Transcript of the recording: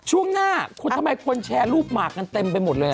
ช่วงหน้าทำไมคนแชร์รูปหมากกันเต็มไปหมดเลย